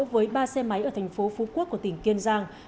với ba xe máy ở thành phố phú quốc của tỉnh kiên giang